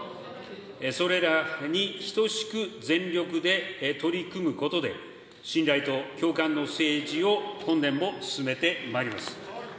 それらに等しく全力で取り組むことで、信頼と共感の政治を、本年も進めてまいります。